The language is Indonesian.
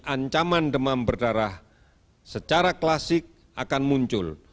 ancaman demam berdarah secara klasik akan muncul